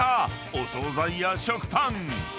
お惣菜や食パン］